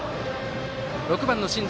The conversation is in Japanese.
６番の新城